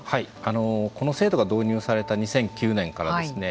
この制度が導入された２００９年からですね